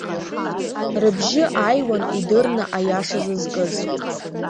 Рыбжьы ааҩуан идырны аиаша зызкыз.